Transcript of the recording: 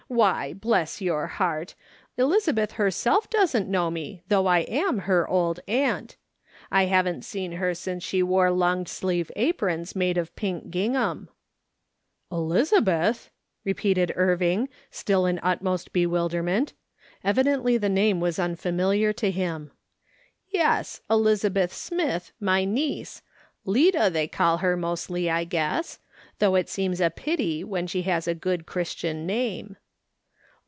Why, bless your heart ! Elizabeth herself doesn't know me, though 86 ,VA'S. SOLOMON SMITH LOOKING ON. I am Ler old aunt. I haven't seen her since she wore long sleeved aprons made of pink gingham/' " Elizabeth !" repeated Irving, still in utmost bewilderment : evidently the name was unfamiliar to him. " Yes, Elizabeth Smith, my niece ; Lida, they call her mostly, I guess ; though it seems a pity, when she has a good Christian name."